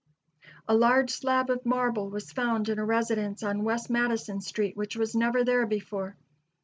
A large slab of marble was found in a residence on West Madison street which was never there before.